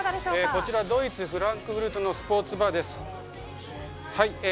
こちらドイツ、フランクフルトのスポーツバーです。